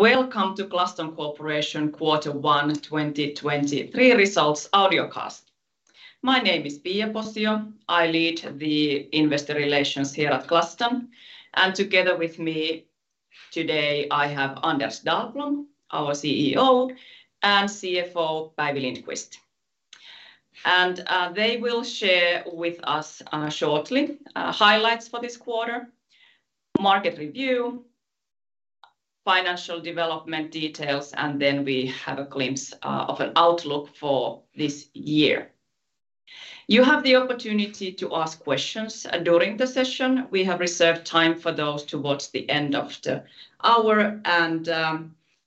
Welcome to Glaston Corporation quarter one 2023 results audiocast. My name is Pia Posio. I lead the investor relations here at Glaston, and together with me today I have Anders Dahlblom, our CEO, and CFO Päivi Lindqvist. They will share with us shortly highlights for this quarter, market review, financial development details, and then we have a glimpse of an outlook for this year. You have the opportunity to ask questions during the session. We have reserved time for those towards the end of the hour, and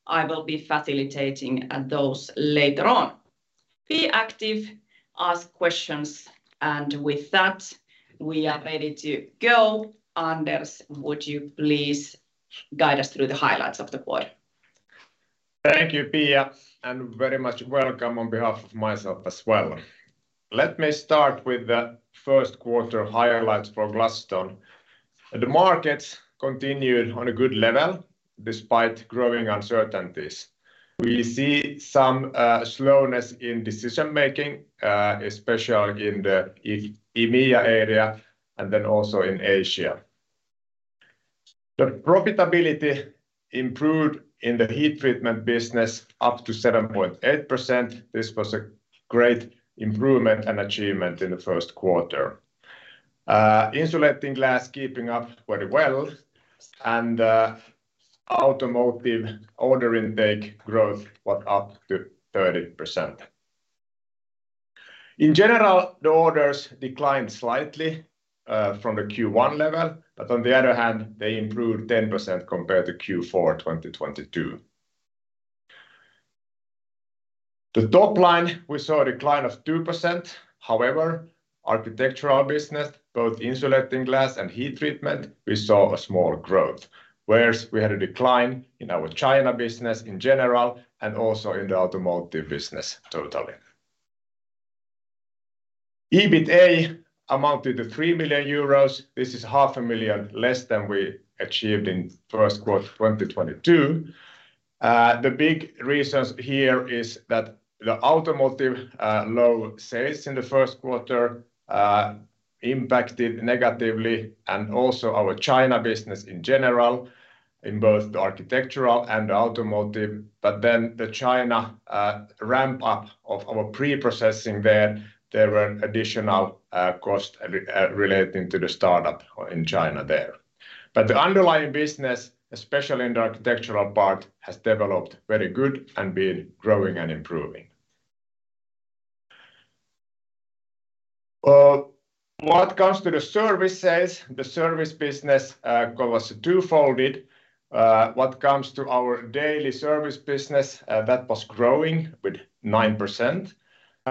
I will be facilitating those later on. Be active, ask questions, and with that, we are ready to go. Anders, would you please guide us through the highlights of the quarter? Thank you, Pia. Very much welcome on behalf of myself as well. Let me start with the first quarter highlights for Glaston. The markets continued on a good level despite growing uncertainties. We see some slowness in decision-making, especially in the EMEA area and then also in Asia. The profitability improved in the Heat Treatment business up to 7.8%. This was a great improvement and achievement in the first quarter. Insulating Glass keeping up very well. Automotive order intake growth was up to 30%. In general, the orders declined slightly from the Q1 level but on the other hand, they improved 10% compared to Q4 2022. The top line, we saw a decline of 2%. However, architectural business, both Insulating Glass and Heat Treatment, we saw a small growth, whereas we had a decline in our China business in general and also in the Automotive business totally. EBITA amounted to 3 million euros. This is half a million EUR less than we achieved in first quarter 2022. The big reasons here is that the Automotive low sales in the first quarter impacted negatively and also our China business in general, in both the architectural and the Automotive. The China ramp-up of our pre-processing there were additional cost relating to the startup in China there. The underlying business, especially in the architectural part, has developed very good and been growing and improving. When it comes to the services, the service business was two-folded. What comes to our daily service business, that was growing with 9%.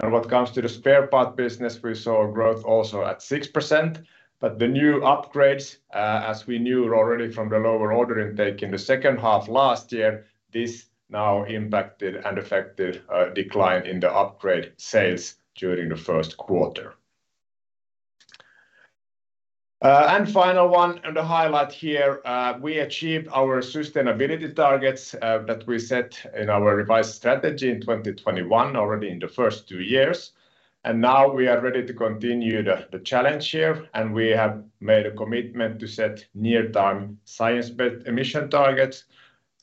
What comes to the spare part business, we saw growth also at 6%, but the new upgrades, as we knew already from the lower order intake in the second half last year, this now impacted and affected a decline in the upgrade sales during the first quarter. Final one, and the highlight here, we achieved our sustainability targets, that we set in our revised strategy in 2021 already in the first two years. Now we are ready to continue the challenge here, and we have made a commitment to set near-term science-based emission targets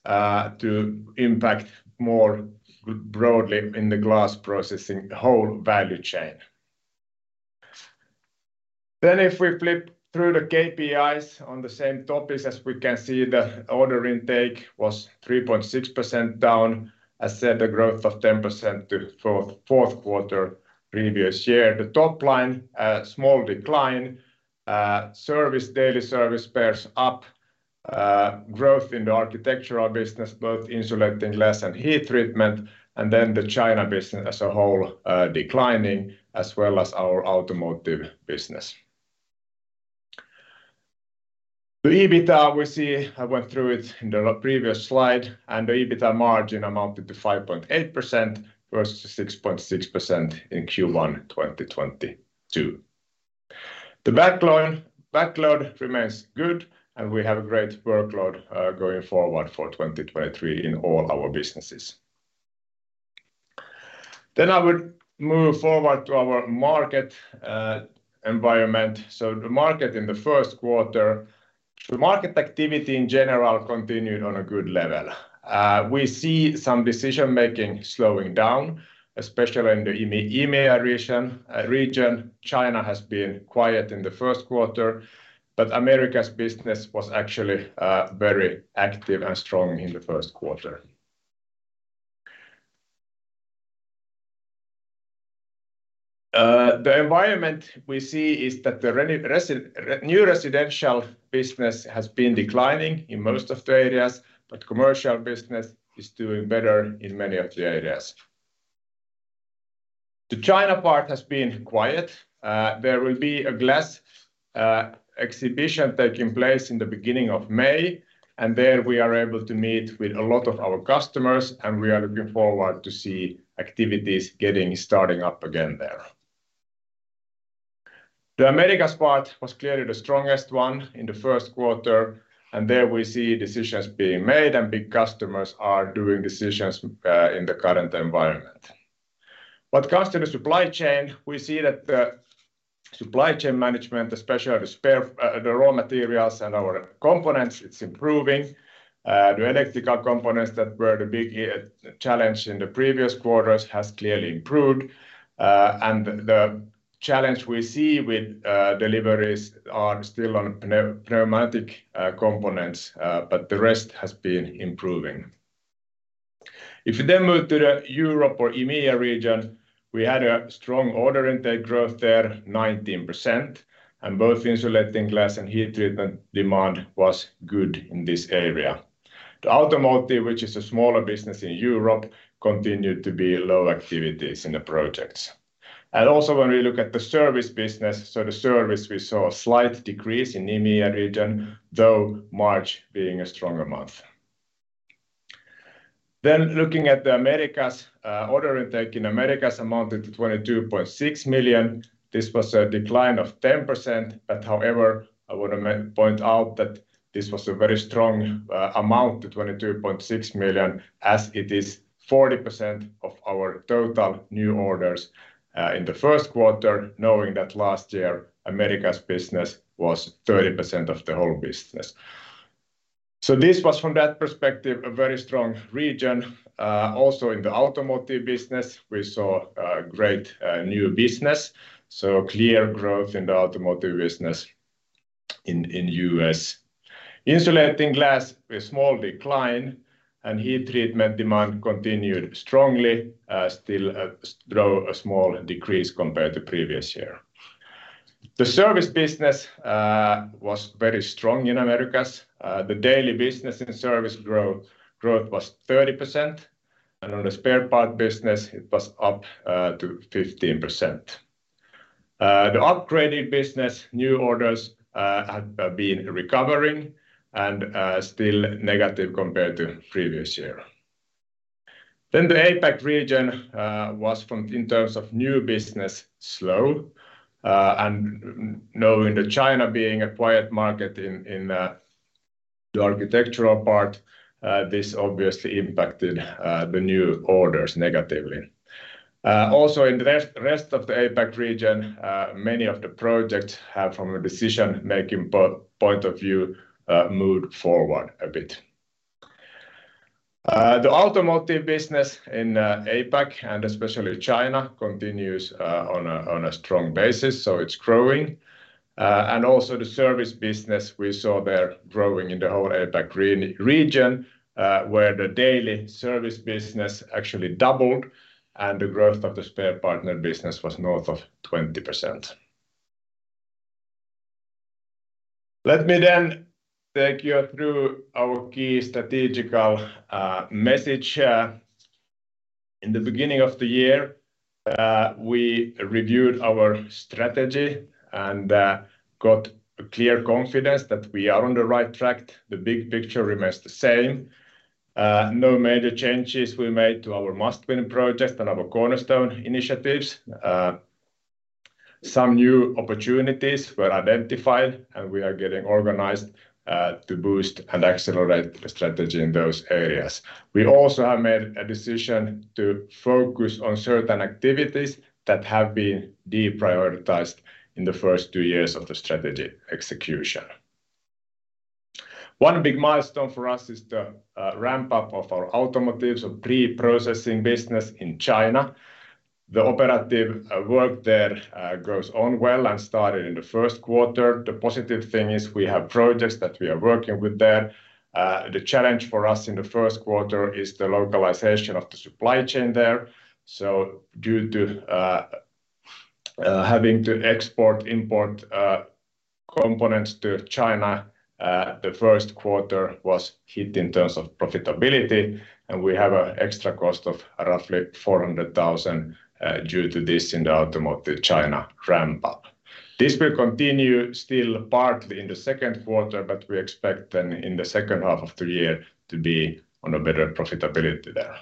to impact more broadly in the glass processing whole value chain. If we flip through the KPIs on the same topics, as we can see, the order intake was 3.6% down, as said, the growth of 10% to fourth quarter previous year. The top line, small decline. Service, daily service bears up. Growth in the architectural business, both insulating glass and heat treatment, the China business as a whole, declining, as well as our automotive business. The EBITA we see, I went through it in the previous slide, the EBITA margin amounted to 5.8% versus 6.6% in Q1 2022. The backlog remains good, we have a great workload going forward for 2023 in all our businesses. I would move forward to our market environment. The market in the first quarter, the market activity in general continued on a good level. We see some decision-making slowing down, especially in the EMEA region. China has been quiet in the first quarter. Americas business was actually very active and strong in the first quarter. The environment we see is that the new residential business has been declining in most of the areas. Commercial business is doing better in many of the areas. The China part has been quiet. There will be a glass exhibition taking place in the beginning of May, and there we are able to meet with a lot of our customers, and we are looking forward to see activities getting starting up again there. The Americas part was clearly the strongest one in the first quarter, and there we see decisions being made and big customers are doing decisions in the current environment. What comes to the supply chain, we see that supply chain management, especially the raw materials and our components, it's improving. The electrical components that were the big challenge in the previous quarters has clearly improved. The challenge we see with deliveries are still on pneumatic components, but the rest has been improving. If you move to the Europe or EMEA region, we had a strong order intake growth there, 19%, both insulating glass and heat treatment demand was good in this area. The automotive, which is a smaller business in Europe, continued to be low activities in the projects. Also when we look at the service business, the service we saw a slight decrease in EMEA region, though March being a stronger month. Looking at the Americas, order intake in Americas amounted to 22.6 million. This was a decline of 10%. However, I would point out that this was a very strong amount, the 22.6 million, as it is 40% of our total new orders in the first quarter, knowing that last year Americas' business was 30% of the whole business. This was from that perspective, a very strong region. Also in the Automotive business, we saw great new business, so clear growth in the Automotive business in U.S. Insulating Glass, a small decline, and Heat Treatment demand continued strongly, still though a small decrease compared to previous year. The service business was very strong in Americas. The daily business and service growth was 30%, and on the spare part business it was up to 15%. The upgraded business new orders have been recovering and still negative compared to previous year. The APAC region in terms of new business, slow. Knowing that China being a quiet market in the architectural part, this obviously impacted the new orders negatively. Also in the rest of the APAC region, many of the projects have, from a decision-making point of view, moved forward a bit. The automotive business in APAC and especially China continues on a strong basis, so it's growing. And also the service business we saw there growing in the whole APAC region, where the daily service business actually doubled and the growth of the spare partner business was north of 20%. Let me take you through our key strategical message. In the beginning of the year, we reviewed our strategy and got clear confidence that we are on the right track. The big picture remains the same. No major changes we made to our must-win projects and our cornerstone initiatives. Some new opportunities were identified, and we are getting organized to boost and accelerate the strategy in those areas. We also have made a decision to focus on certain activities that have been deprioritized in the first two years of the strategy execution. One big milestone for us is the ramp-up of our Automotive. Pre-processing business in China. The operative work there goes on well and started in the first quarter. The positive thing is we have projects that we are working with there. The challenge for us in the first quarter is the localization of the supply chain there. Due to having to export, import components to China, the first quarter was hit in terms of profitability, and we have an extra cost of roughly 400,000 due to this in the Automotive China ramp-up. This will continue still partly in the second quarter, but we expect then in the second half of the year to be on a better profitability there.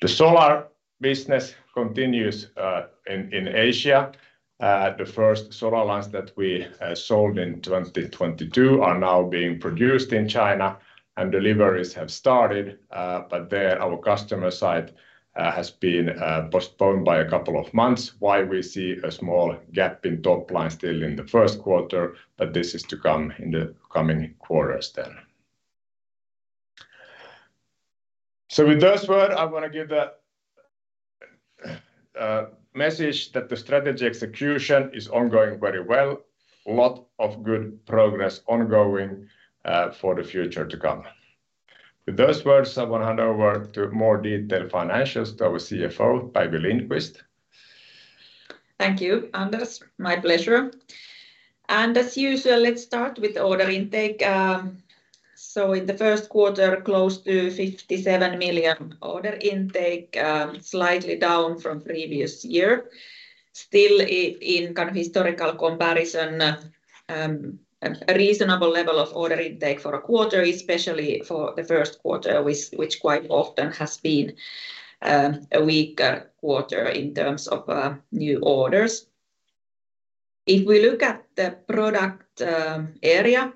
The solar business continues in Asia. The first solar lines that we sold in 2022 are now being produced in China, and deliveries have started. There our customer side has been postponed by a couple of months. Why we see a small gap in top line still in the first quarter, but this is to come in the coming quarters then. With those word, I want to give the message that the strategy execution is ongoing very well. Lot of good progress ongoing for the future to come. With those words, I want to hand over to more detailed financials to our CFO, Päivi Lindqvist. Thank you, Anders. My pleasure. As usual, let's start with order intake. In the first quarter, close to 57 million order intake, slightly down from previous year. Still in kind of historical comparison a reasonable level of order intake for a quarter, especially for the first quarter, which quite often has been a weaker quarter in terms of new orders. If we look at the product area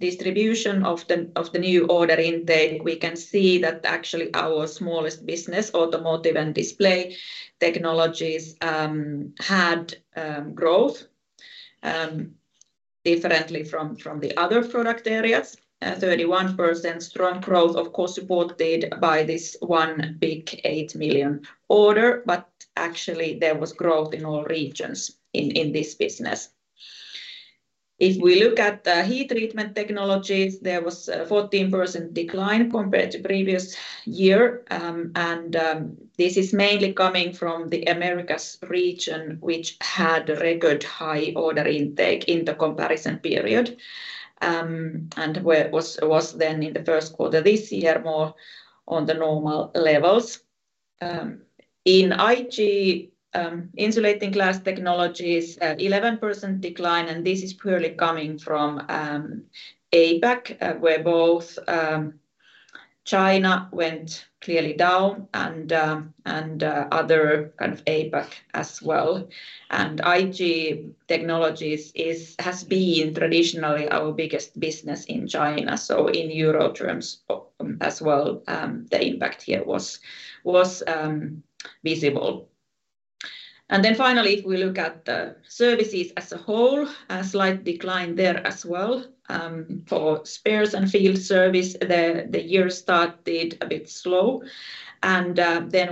distribution of the new order intake, we can see that actually our smallest business, Automotive and Display Technologies, had growth differently from the other product areas. 31% strong growth, of course, supported by this one big 8 million order, actually there was growth in all regions in this business. If we look at the Heat Treatment Technologies, there was a 14% decline compared to previous year. This is mainly coming from the Americas region, which had record high order intake in the comparison period and was then in the first quarter this year, more on the normal levels. In IG, Insulating Glass Technologies, 11% decline this is purely coming from APAC, where both China went clearly down and other kind of APAC as well. IG Technologies has been traditionally our biggest business in China. In Euro terms as well the impact here was visible. Finally, if we look at the services as a whole, a slight decline there as well. For spares and field service, the year started a bit slow.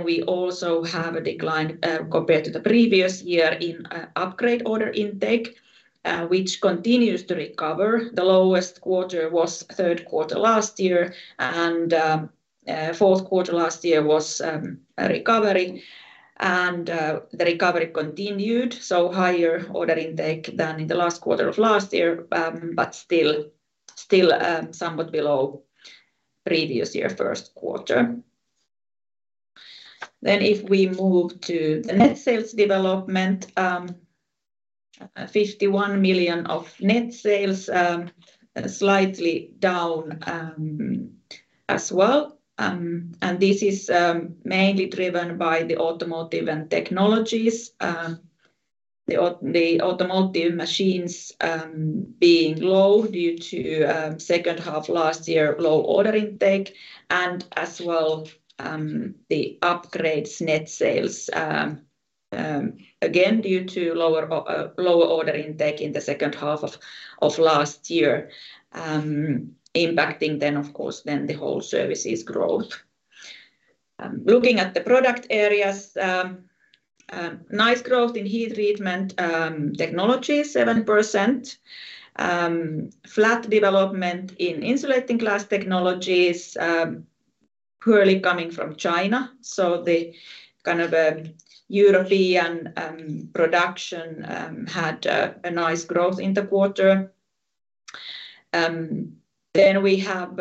We also have a decline compared to the previous year in upgrade order intake, which continues to recover. The lowest quarter was third quarter last year, and fourth quarter last year was a recovery. The recovery continued, so higher order intake than in the last quarter of last year, but still somewhat below previous year first quarter. If we move to the net sales development, 51 million of net sales, slightly down as well. This is mainly driven by the Automotive and Display Technologies. The automotive machines, being low due to second half last year low order intake. As well, the upgrades net sales, again, due to lower or lower order intake in the second half of last year, impacting then, of course, then the whole services growth. Looking at the product areas, nice growth in Heat Treatment Technologies, 7%. Flat development in Insulating Glass Technologies, purely coming from China. The kind of European production had a nice growth in the quarter. We have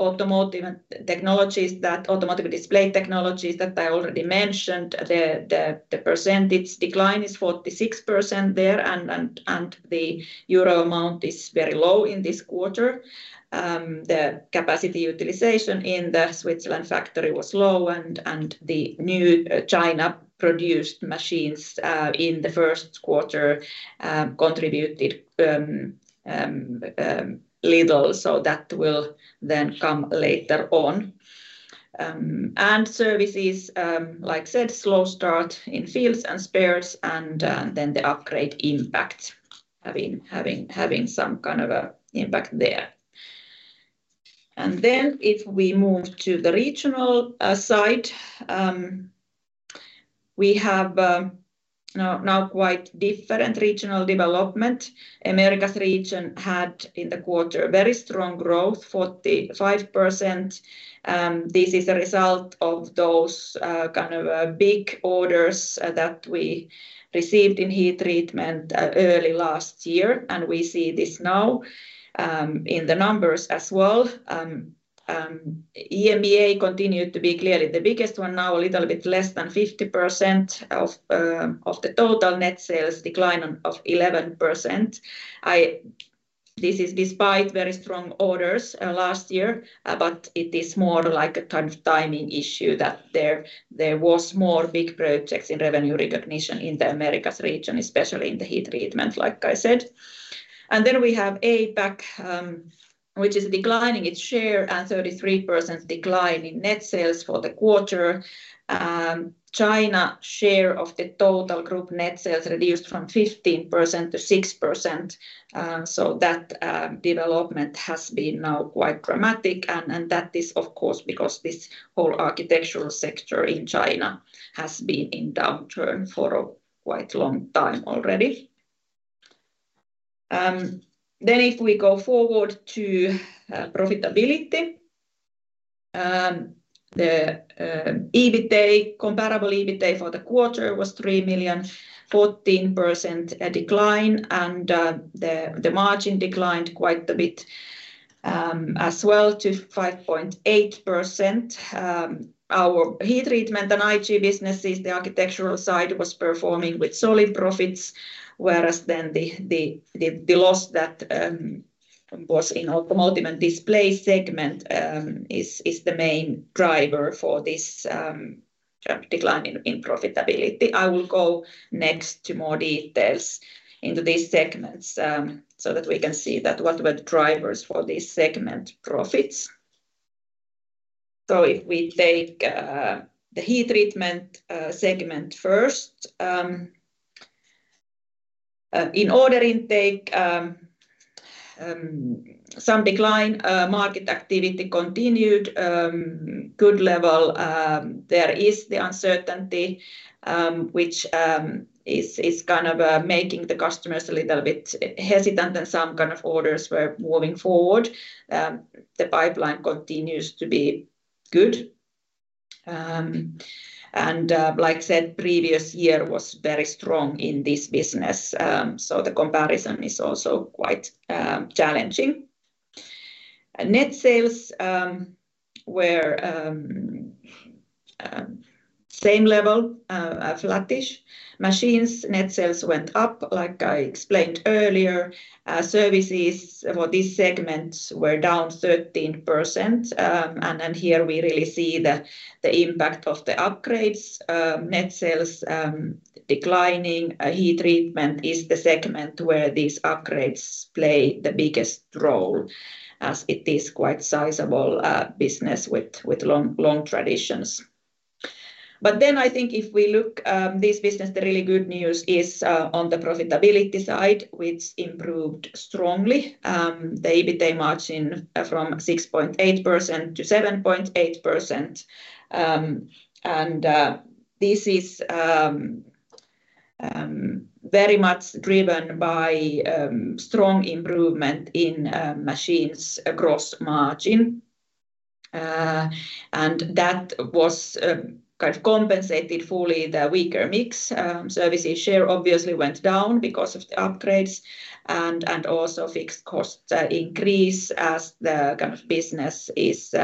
Automotive Display Technologies that I already mentioned. The percentage decline is 46% there and the Euro amount is very low in this quarter. The capacity utilization in the Switzerland factory was low and the new China-produced machines in the first quarter contributed little. That will then come later on. Services like said slow start in fields and spares and then the upgrade impact having some kind of a impact there. If we move to the regional side, we have now quite different regional development. Americas region had, in the quarter, very strong growth, 45%. This is a result of those kind of big orders that we received in heat treatment early last year and we see this now in the numbers as well. EMEA continued to be clearly the biggest one, now a little bit less than 50% of the total net sales decline of 11%. This is despite very strong orders last year, it is more like a kind of timing issue that there was more big projects in revenue recognition in the Americas region, especially in the heat treatment, like I said. We have APAC, which is declining its share, and 33% decline in net sales for the quarter. China share of the total group net sales reduced from 15% to 6%. That development has been now quite dramatic and that is, of course, because this whole architectural sector in China has been in downturn for a quite long time already. We go forward to profitability, the EBITA, comparable EBITA for the quarter was 3 million, 14% decline. The margin declined quite a bit as well to 5.8%. Our Heat Treatment and IG businesses the architectural side was performing with solid profits, whereas the loss that was in Automotive and Display Technologies segment is the main driver for this decline in profitability. I will go next to more details into these segments so that we can see what were the drivers for these segment profits. If we take the Heat Treatment segment first. In order intake, some decline, market activity continued good level. There is the uncertainty which is kind of making the customers a little bit hesitant and some kind of orders were moving forward. The pipeline continues to be good. Like said, previous year was very strong in this business. The comparison is also quite challenging. Net sales were same level, flattish. Machines net sales went up, like I explained earlier. Services for this segment were down 13%. Here we really see the impact of the upgrades. Net sales declining. Heat Treatment is the segment where these upgrades play the biggest role, as it is quite sizable business with long traditions. I think if we look this business, the really good news is on the profitability side, which improved strongly. The EBITA margin from 6.8% to 7.8%. This is very much driven by strong improvement in machines across margin. That was kind of compensated fully the weaker mix. Services share obviously went down because of the upgrades and also fixed cost increase as the kind of business is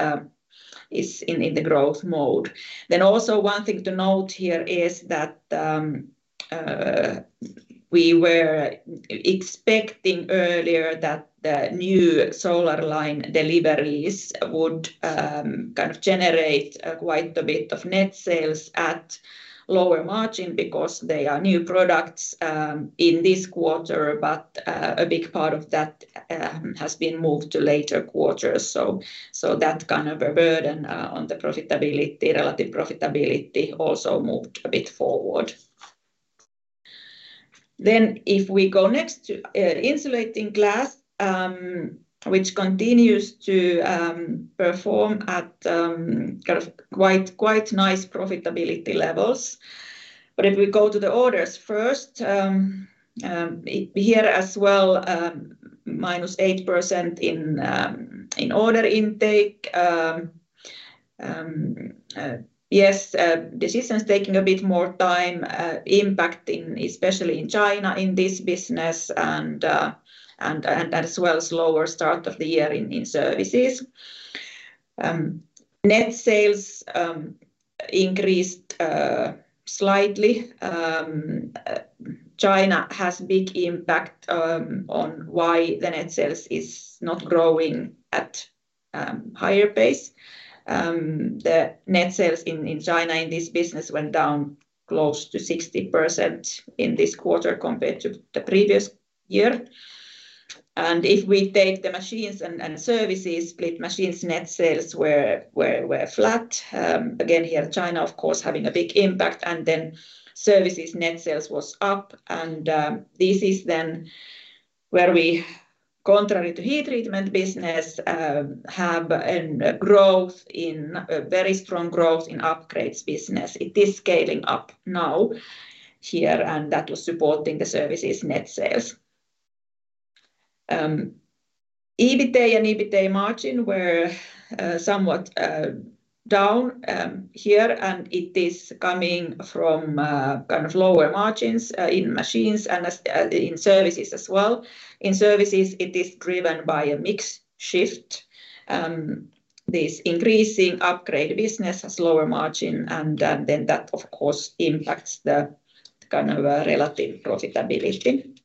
in the growth mode. Also one thing to note here is that we were expecting earlier that the new solar line deliveries would kind of generate quite a bit of net sales at lower margin because they are new products in this quarter. A big part of that has been moved to later quarters. That kind of a burden on the profitability, relative profitability also moved a bit forward. If we go next to insulating glass which continues to perform at kind of quite nice profitability levels. If we go to the orders first, here as well -8% in order intake. Yes, decisions taking a bit more time, impacting especially in China in this business and as well as lower start of the year in services. Net sales increased slightly. China has big impact on why the net sales is not growing at higher pace. The net sales in China in this business went down close to 60% in this quarter compared to the previous year. If we take the machines and services, split machines net sales were flat. Again here China of course having a big impact. Services net sales was up, this is where we contrary to Heat Treatment Technologies business have a very strong growth in upgrades business. It is scaling up now here, and that was supporting the services net sales. EBITA and EBITA margin were somewhat down here and it is coming from kind of lower margins in machines and in services as well. In services it is driven by a mix shift. This increasing upgrade business has lower margin and then that of course impacts the kind of relative profitability.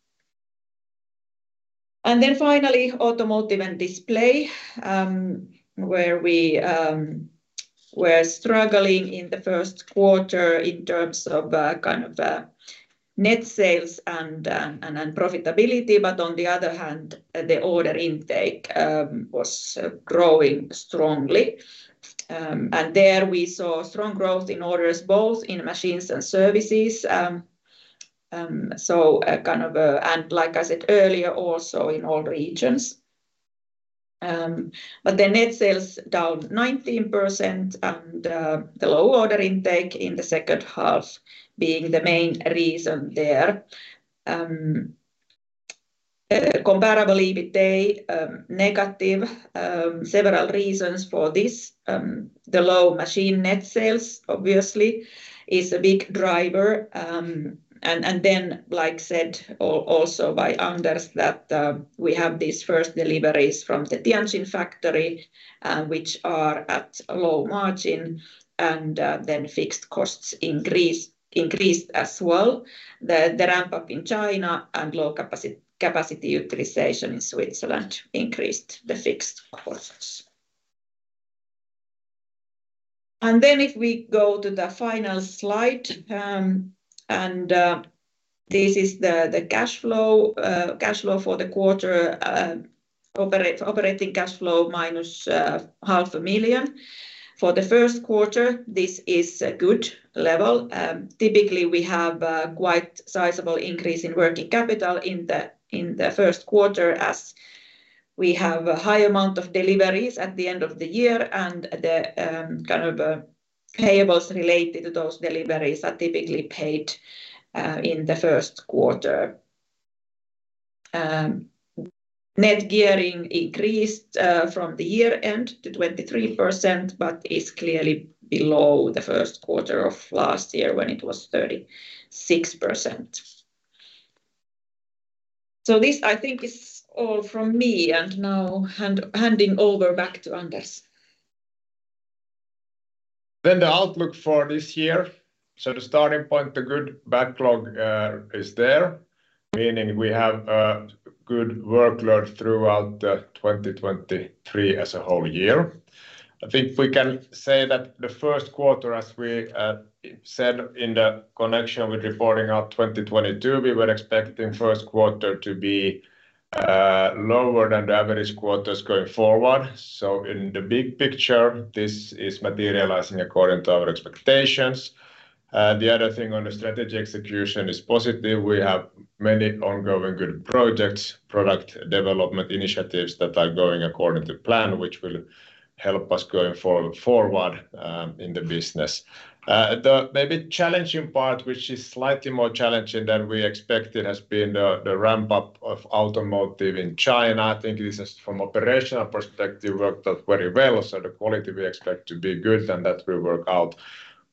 Finally Automotive and Display Technologies where we were struggling in the first quarter in terms of kind of net sales and profitability. On the other hand, the order intake was growing strongly. There we saw strong growth in orders both in machines and services. Like I said earlier, also in all regions. The net sales down 19% and the low order intake in the second half being the main reason there. Comparable EBITA negative. Several reasons for this. The low machine net sales obviously is a big driver. Then like said also by Anders that we have these first deliveries from the Tianjin factory, which are at low margin and then fixed costs increased as well. The ramp-up in China and low capacity utilization in Switzerland increased the fixed costs. If we go to the final slide, this is the cash flow. Cash flow for the quarter, operating cash flow -500,000. For the first quarter, this is a good level. Typically, we have quite sizable increase in working capital in the first quarter as we have a high amount of deliveries at the end of the year and the kind of payables related to those deliveries are typically paid in the first quarter. Net gearing increased from the year-end to 23% but is clearly below the first quarter of last year when it was 36%. This, I think, is all from me, and now handing over back to Anders. The outlook for this year. The starting point, the good backlog, is there, meaning we have a good workload throughout 2023 as a whole year. I think we can say that the first quarter, as we said in the connection with reporting of 2022, we were expecting first quarter to be lower than the average quarters going forward. In the big picture this is materializing according to our expectations. The other thing on the strategy execution is positive. We have many ongoing good projects, product development initiatives that are going according to plan, which will help us going forward in the business. The maybe challenging part, which is slightly more challenging than we expected, has been the ramp-up of automotive in China. I think this has from operational perspective worked out very well. The quality we expect to be good, and that will work out.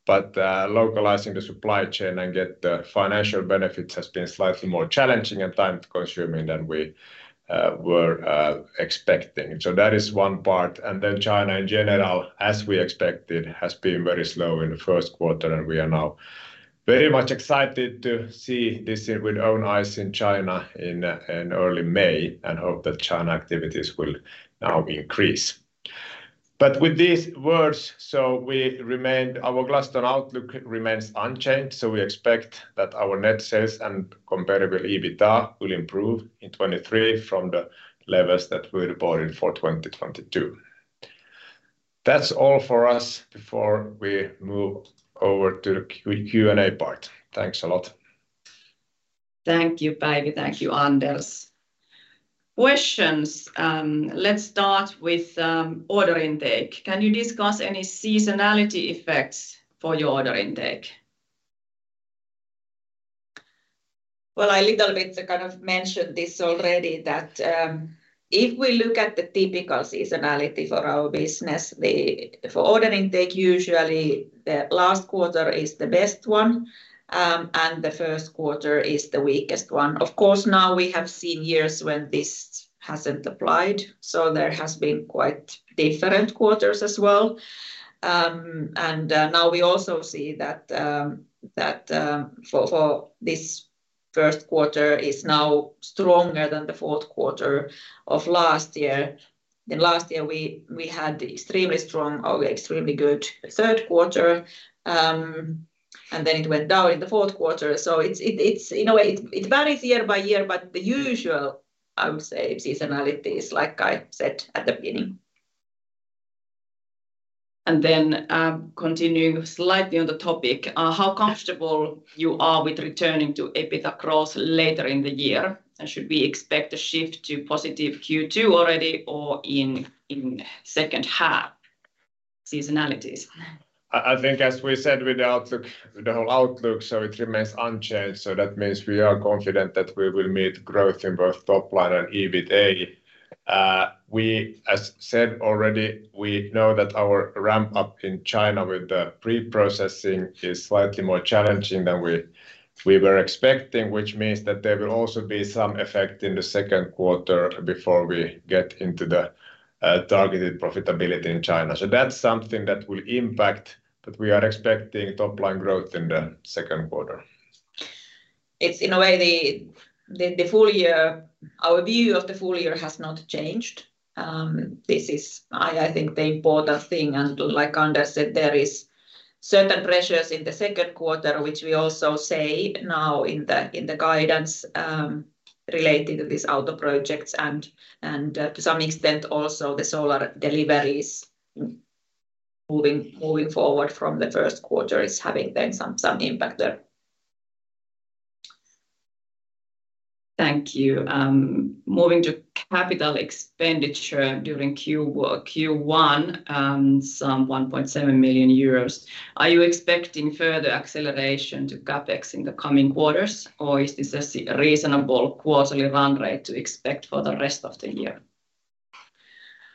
Localizing the supply chain and get the financial benefits has been slightly more challenging and time-consuming than we were expecting. That is one part. Then China in general, as we expected, has been very slow in the first quarter, and we are now very much excited to see this with own eyes in China in early May and hope that China activities will now increase. With these words, Our Glaston outlook remains unchanged. We expect that our net sales and comparable EBITDA will improve in 2023 from the levels that we reported for 2022. That's all for us before we move over to the Q&A part. Thanks a lot. Thank you, Päivi. Thank you, Anders. Questions. Let's start with order intake. Can you discuss any seasonality effects for your order intake? Well, I little bit kind of mentioned this already, that, if we look at the typical seasonality for our business, For order intake, usually the last quarter is the best one, and the first quarter is the weakest one. Of course, now we have seen years when this hasn't applied, there has been quite different quarters as well. Now we also see that, for this first quarter is now stronger than the fourth quarter of last year. In last year, we had extremely strong or extremely good third quarter and then it went down in the fourth quarter. It's in a way, it varies year by year, but the usual, I would say, seasonality is like I said at the beginning. Continuing slightly on the topic. How comfortable you are with returning to EBITDA growth later in the year? Should we expect a shift to positive Q2 already or in second half seasonalities? I think as we said with the outlook, the whole outlook. It remains unchanged. That means we are confident that we will meet growth in both top line and EBITA. We, as said already, we know that our ramp-up in China with the pre-processing is slightly more challenging than we were expecting, which means that there will also be some effect in the second quarter before we get into the targeted profitability in China. That's something that will impact, but we are expecting top line growth in the second quarter. It's in a way the full year. Our view of the full year has not changed. This is, I think, the important thing. Like Anders said, there is certain pressures in the second quarter, which we also say now in the guidance, relating to these auto projects and to some extent also the solar deliveries moving forward from the first quarter is having then some impact there. Thank you. Moving to capital expenditure during Q1, some 1.7 million euros. Are you expecting further acceleration to CapEx in the coming quarters, or is this a reasonable quarterly run rate to expect for the rest of the year?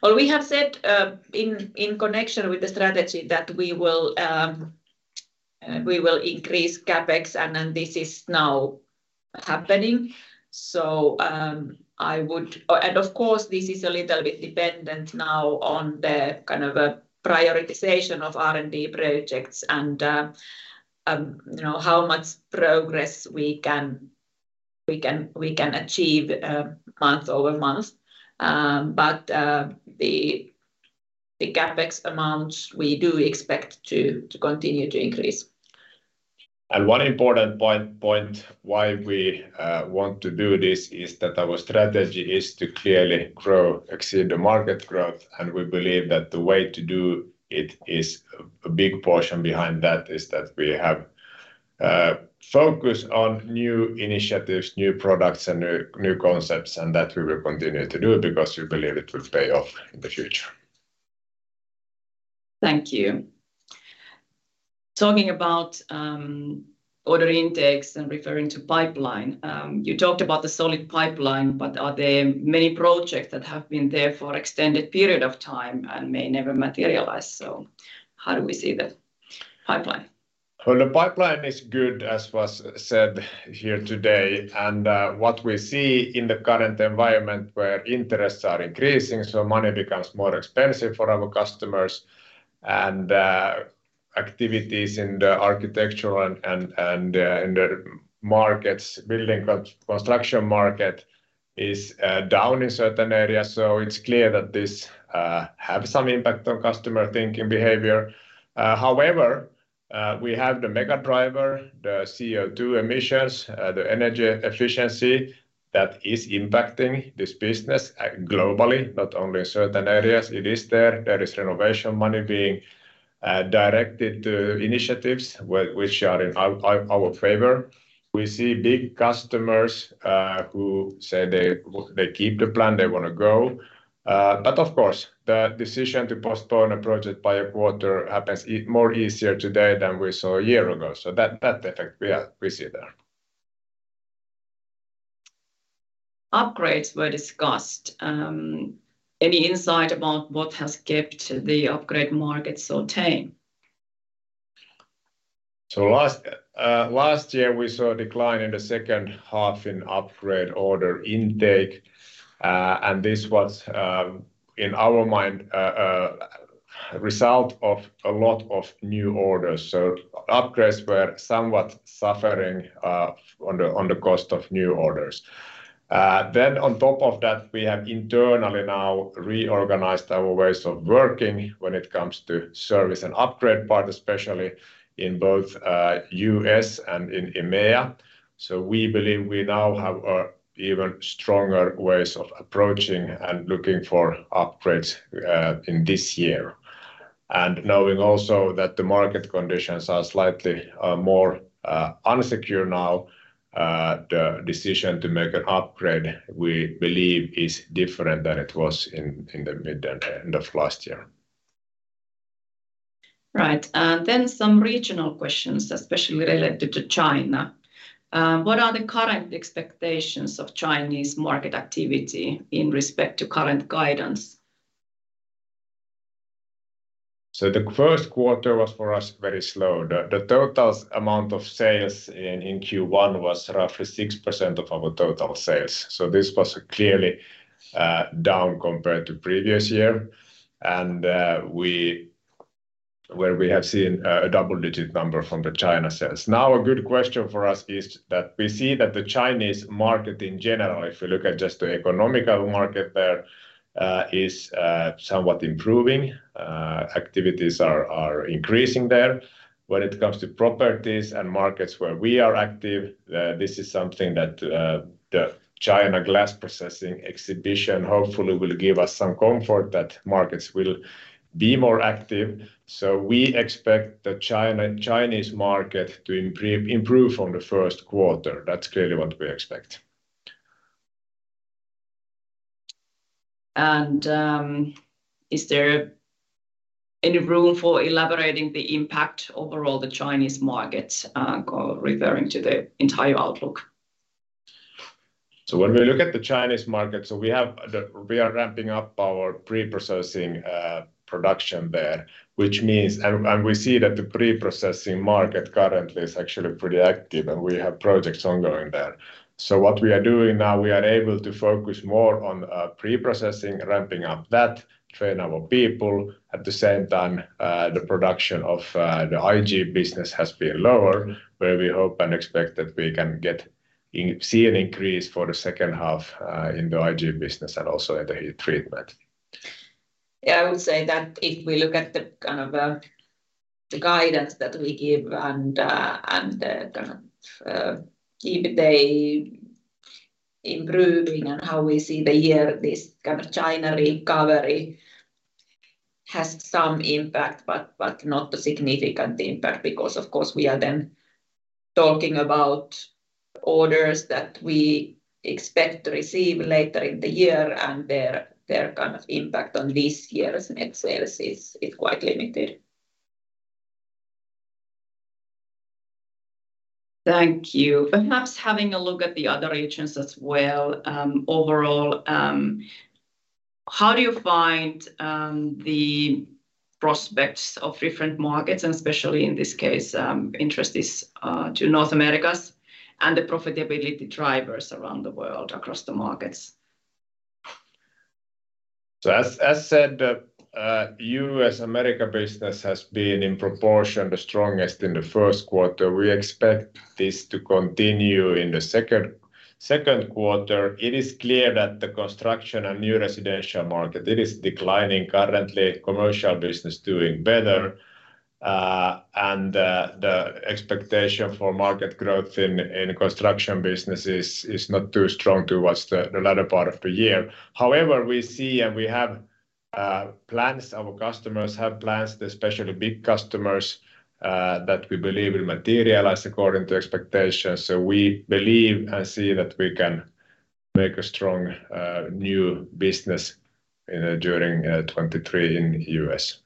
We have said, in connection with the strategy that we will, we will increase CapEx. This is now happening. Of course, this is a little bit dependent now on the kind of a prioritization of R&D projects and how much progress we can achieve, month-over-month. The CapEx amounts we do expect to continue to increase. One important point why we want to do this is that our strategy is to clearly grow, exceed the market growth. We believe that the way to do it is, a big portion behind that, is that we have focus on new initiatives, new products and new concepts. That we will continue to do it because we believe it will pay off in the future. Thank you. Talking about order intakes and referring to pipeline, you talked about the solid pipeline, but are there many projects that have been there for extended period of time and may never materialize? How do we see the pipeline? Well, the pipeline is good, as was said here today. What we see in the current environment where interests are increasing, money becomes more expensive for our customers. Activities in the architectural and in the markets, building construction market is down in certain areas. It's clear that this have some impact on customer thinking behavior. However, we have the mega driver, the CO2 emissions, the energy efficiency that is impacting this business globally, not only in certain areas. It is there. There is renovation money being directed to initiatives which are in our favor. We see big customers who say they keep the plan, they want to go. Of course, the decision to postpone a project by a quarter happens more easier today than we saw a year ag so that effect we see there. Upgrades were discussed. Any insight about what has kept the upgrade market so tame? Last year, we saw a decline in the second half in upgrade order intake. This was, in our mind, result of a lot of new orders. Upgrades were somewhat suffering, on the cost of new orders. On top of that we have internally now reorganized our ways of working when it comes to service and upgrade part, especially in both, U.S. and in EMEA. We believe we now have even stronger ways of approaching and looking for upgrades in this year. Knowing also that the market conditions are slightly more unsecure now, the decision to make an upgrade, we believe is different than it was in the mid and end of last year. Some regional questions, especially related to China. What are the current expectations of Chinese market activity in respect to current guidance? The first quarter was for us very slow. The total amount of sales in Q1 was roughly 6% of our total sales. This was clearly down compared to previous year. Where we have seen a double-digit number from the China sales. Now, a good question for us is that we see that the Chinese market in general, if you look at just the economical market there, is somewhat improving. Activities are increasing there. When it comes to properties and markets where we are acti this is something that the China glass processing exhibition hopefully will give us some comfort that markets will be more active. We expect the Chinese market to improve from the first quarter. That's clearly what we expect. Is there any room for elaborating the impact overall the Chinese markets, or referring to the entire outlook? When we look at the Chinese market, so we have the... We are ramping up our pre-processing production there, which means... And we see that the pre-processing market currently is actually pretty active, and we have projects ongoing there. What we are doing now, we are able to focus more on pre-processing, ramping up that, train our people. At the same time, the production of the IG business has been lower, where we hope and expect that we can see an increase for the second half in the IG business and also in the heat treatment. I would say that if we look at the kind of the guidance that we give and and kind of keep the improving and how we see the year, this kind of China recovery has some impact, but not a significant impact. Of course, we are then talking about orders that we expect to receive later in the year, and their kind of impact on this year's net sales is quite limited. Thank you. Perhaps having a look at the other regions as well. Overall, how do you find the prospects of different markets and especially in this case, interest is to North America and the profitability drivers around the world across the markets? As said, U.S. America business has been in proportion the strongest in the first quarter. We expect this to continue in the second quarter. It is clear that the construction and new residential market, it is declining. Currently, commercial business doing better. The expectation for market growth in construction business is not too strong towards the latter part of the year. However we see and we have plans, our customers have plans, especially big customers that we believe will materialize according to expectations. We believe and see that we can make a strong new business, you know, during 2023 in U.S.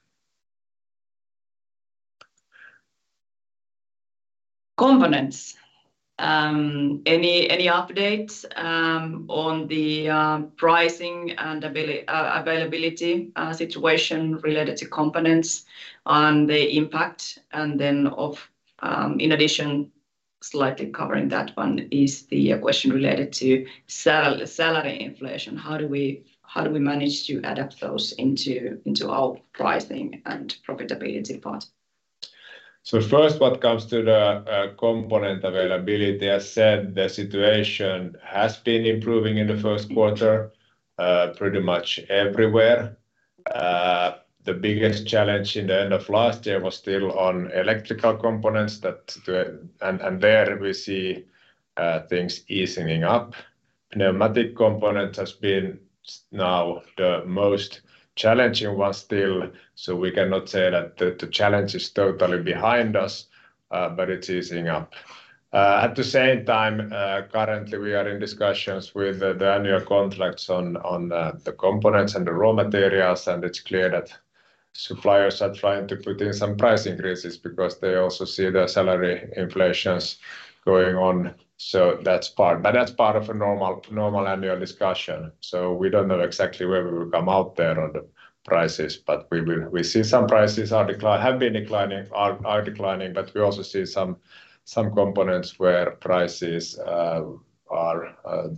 Components. Any updates on the pricing and availability situation related to components on the impact? In addition, slightly covering that one is the question related to salary inflation. How do we manage to adapt those into our pricing and profitability part? First, what comes to the component availability, as said, the situation has been improving in the first quarter, pretty much everywhere. The biggest challenge in the end of last year was still on electrical components. There we see things easing up. Pneumatic component has been now the most challenging one still, we cannot say that the challenge is totally behind us, but it's easing up. At the same time, currently we are in discussions with the annual contracts on the components and the raw materials, it's clear that suppliers are trying to put in some price increases because they also see the salary inflations going on. That's part, but that's part of a normal annual discussion. We don't know exactly where we will come out there on the prices. We see some prices have been declining, are declining, but we also see some components where prices are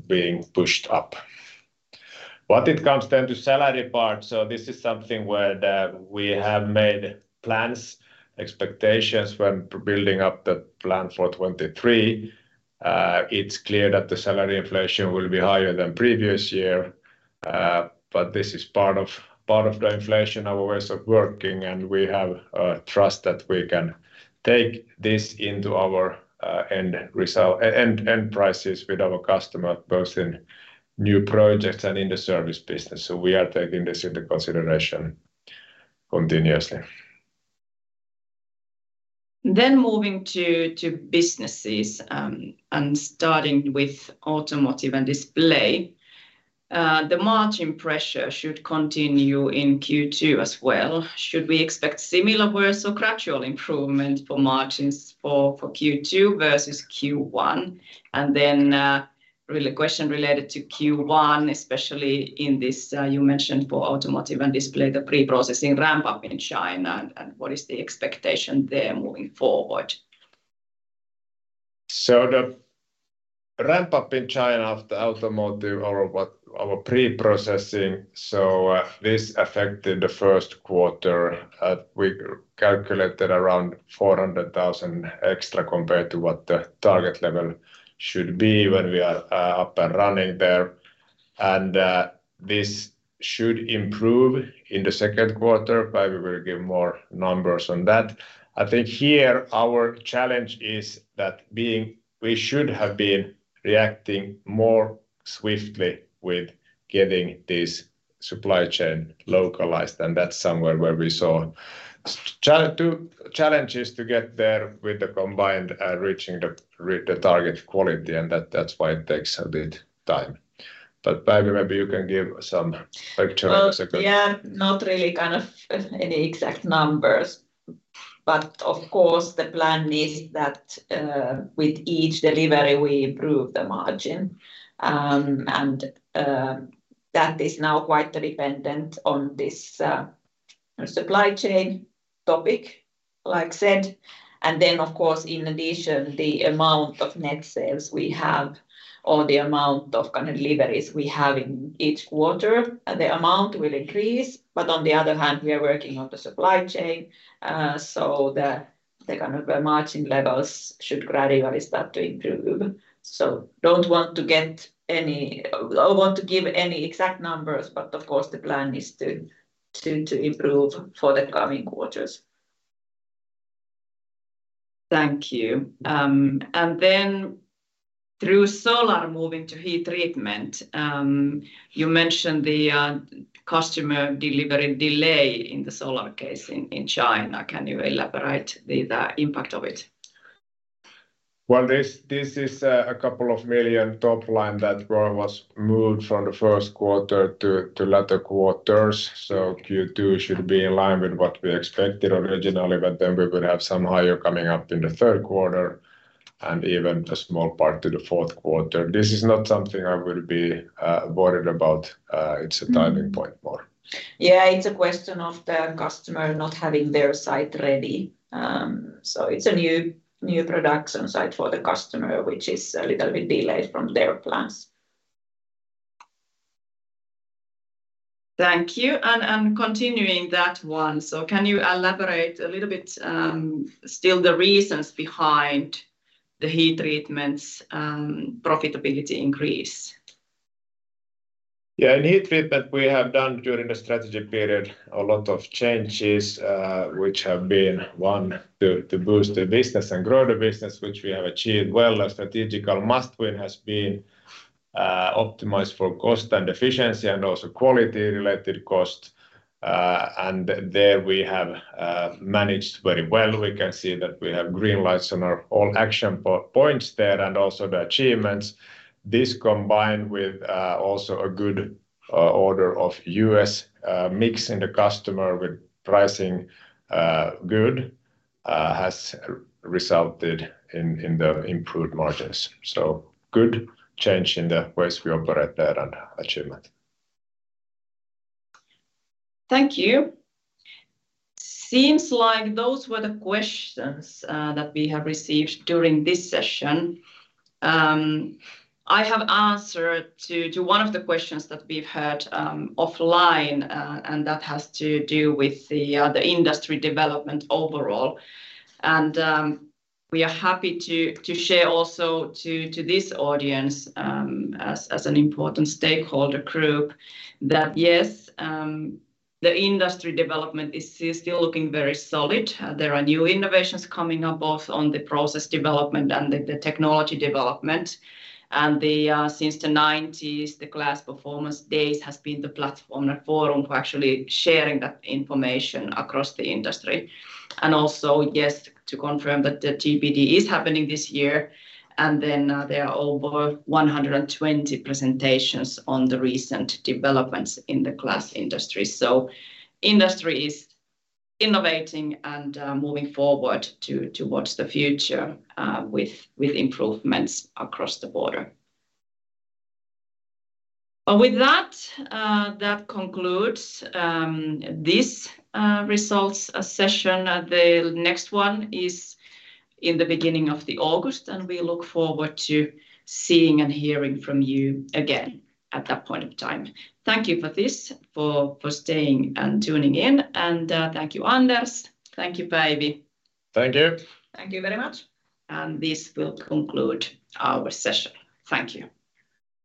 being pushed up. When it comes then to salary part, this is something where we have made plans, expectations when building up the plan for 2023. It's clear that the salary inflation will be higher than previous year, but this is part of the inflation, our ways of working, and we have trust that we can take this into our end result and end prices with our customer, both in new projects and in the service business. We are taking this into consideration continuously. Moving to businesses, and starting with Automotive and Display. The margin pressure should continue in Q2 as well. Should we expect similar worse or gradual improvement for margins for Q2 versus Q1? Really question related to Q1, especially in this, you mentioned for Automotive and Display the pre-processing ramp-up in China, and what is the expectation there moving forward? The ramp-up in China of the Automotive or what our pre-processing, this affected the first quarter. We calculated around 400,000 extra compared to what the target level should be when we are up and running there. This should improve in the second quarter. Päivi will give more numbers on that. I think here our challenge is that being. We should have been reacting more swiftly with getting this supply chain localized, and that's somewhere where we saw two challenges to get there with the combined, reaching the target quality, and that's why it takes a bit time. Päivi, maybe you can give some picture as a good. Yeah, not really kind of any exact numbers, but of course the plan is that with each delivery, we improve the margin. That is now quite dependent on this supply chain topic, like said. Of course, in addition, the amount of net sales we have or the amount of kind of deliveries we have in each quarter. The amount will increase, but on the other hand, we are working on the supply chain, so the kind of margin levels should gradually start to improve. Don't want to give any exact numbers, but of course the plan is to improve for the coming quarters. Thank you. Through solar moving to heat treatment, you mentioned the customer delivery delay in the solar case in China. Can you elaborate the impact of it? This is a couple of million top line that was moved from the first quarter to latter quarters. Q2 should be in line with what we expected originally. We will have some higher coming up in the third quarter. Even a small part to the fourth quarter. This is not something I will be worried about. It's a timing point more. Yeah, it's a question of the customer not having their site ready. It's a new production site for the customer, which is a little bit delayed from their plans. Thank you. Continuing that one, can you elaborate a little bit still the reasons behind the heat treatment's profitability increase? Yeah. In Heat Treatment we have done during the strategy period a lot of changes, which have been one, to boost the business and grow the business, which we have achieved well. A strategical must-win has been optimized for cost and efficiency and also quality-related cost. There we have managed very well. We can see that we have green lights on our all action points there, and also the achievements. This combined with also a good order of U.S. mix in the customer with pricing good has resulted in the improved margins. Good change in the ways we operate there and achievement. Thank you. Seems like those were the questions that we have received during this session. I have answered to one of the questions that we've had offline, that has to do with the industry development overall. We are happy to share also to this audience as an important stakeholder group that, yes, the industry development is still looking very solid. There are new innovations coming up both on the process development and the technology development. Since the 1990s, the Glass Performance Days has been the platform, a forum to actually sharing that information across the industry. To confirm that the GPD is happening this year, there are over 120 presentations on the recent developments in the glass industry. Industry is innovating and moving forward towards the future, with improvements across the border. With that concludes this results session. The next one is in the beginning of the August, and we look forward to seeing and hearing from you again at that point of time. Thank you for staying and tuning in. Thank you, Anders. Thank you, Päivi. Thank you. Thank you very much. This will conclude our session. Thank you.